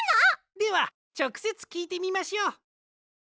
ではちょくせつきいてみましょう。